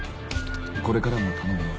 これからも頼むよ。